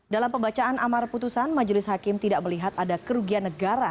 dalam pembacaan amar putusan majelis hakim tidak melihat ada kerugian negara